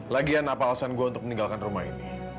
lagian apa alasan gue untuk meninggalkan rumah ini